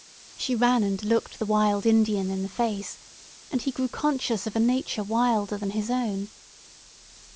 She ran and looked the wild Indian in the face, and he grew conscious of a nature wilder than his own.